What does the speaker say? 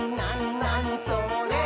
なにそれ？」